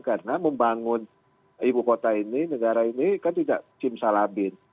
karena membangun ibu kota ini negara ini kan tidak cimsalabin